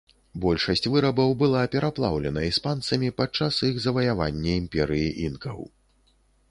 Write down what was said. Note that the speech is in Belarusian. Большасць вырабаў была пераплаўлена іспанцамі падчас іх заваявання імперыі інкаў.